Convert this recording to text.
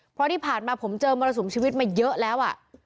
เพราะที่ผ่านมาผมเจอมรสุมชีวิตมาเยอะแล้ว